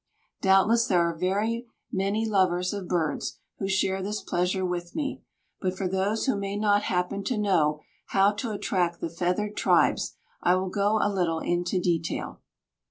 Doubtless there are very many lovers of birds who share this pleasure with me, but for those who may not happen to know how to attract the feathered tribes I will go a little into detail.